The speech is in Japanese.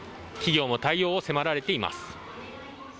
企業も対応を迫られています。